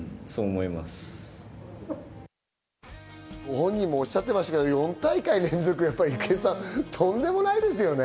本人もおっしゃってましたけど、４大会連続ってやっぱりとんでもないですよね。